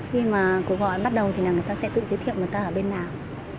khi mà cuộc gọi bắt đầu thì là người ta sẽ tự giới thiệu người ta ở bên nào